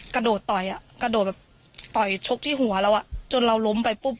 กระโดดต่อยอ่ะกระโดดแบบต่อยชกที่หัวเราอ่ะจนเราล้มไปปุ๊บ